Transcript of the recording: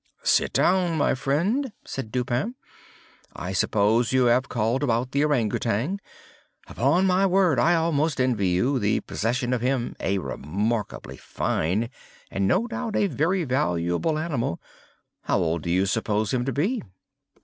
"Sit down, my friend," said Dupin. "I suppose you have called about the Ourang Outang. Upon my word, I almost envy you the possession of him; a remarkably fine, and no doubt a very valuable animal. How old do you suppose him to be?"